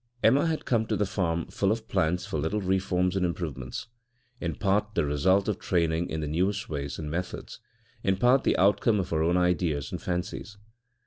Emma had come to the farm full of plans for little reforms and improvements, in part the result of training in the newest ways and methods, in part the outcome of her own ideas and fancies.